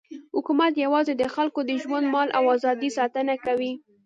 حکومت یوازې د خلکو د ژوند، مال او ازادۍ ساتنه کوي.